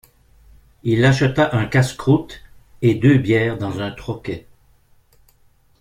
Il acheta un casse-croûte et deux bières dans un troquet.